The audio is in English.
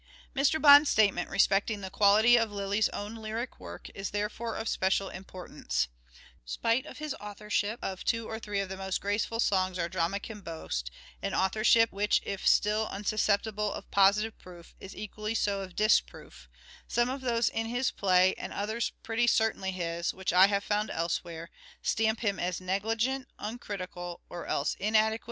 Mr. Bond's statement respecting the quality of Lyric Lyly's own lyric work is therefore of special importance : 3 " Spite of his authorship of two or three of the most graceful songs our drama can boast — an authorship which if still unsusceptible of positive proof is equally so of disproof — some of those in his plays, and others pretty certainly his, which I have found elsewhere, stamp him as negligent, uncritical, or else inadequately 332 SHAKESPEARE " IDENTIFIED Oxford the author of Lyly's lyrics.